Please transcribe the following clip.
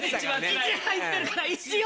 １入ってるから一応。